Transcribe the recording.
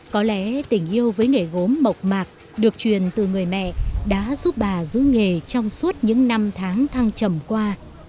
có lẽ tình yêu với nghề gốm mộc mạc được truyền từ người mẹ đã giúp bà giữ nghề trong suốt những năm tháng thăng trầm qua